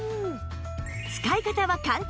使い方は簡単。